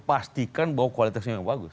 pastikan bahwa kualitasnya nggak bagus